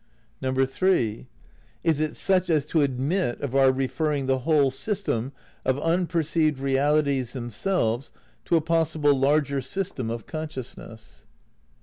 (3) Is it such as to admit of our referring the whole system of unperceived realities themselves to a possible larger system of consciousness?